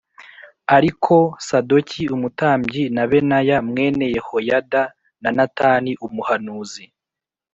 Ariko Sadoki umutambyi na Benaya mwene Yehoyada na Natani umuhanuzi